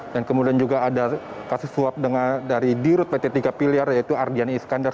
dan kemudian juga ada kasus suap dari dirut pt tiga piliar yaitu ardiani iskandar